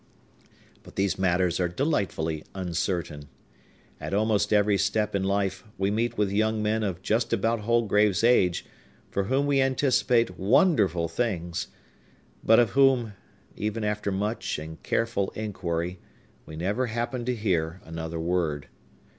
But these matters are delightfully uncertain. At almost every step in life, we meet with young men of just about Holgrave's age, for whom we anticipate wonderful things, but of whom, even after much and careful inquiry, we never happen to hear another word.